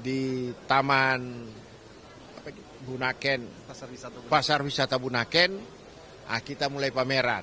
di taman bunaken pasar wisata bunaken kita mulai pameran